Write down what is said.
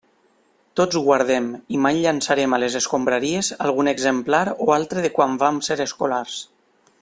Tots guardem, i mai llançarem a les escombraries, algun exemplar o altre de quan vam ser escolars.